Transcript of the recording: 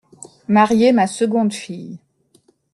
Marier ma seconde fille.